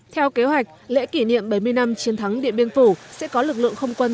theo kế hoạch lễ kỷ niệm bảy mươi năm chiến thắng điện biên phủ sẽ có lực lượng không quân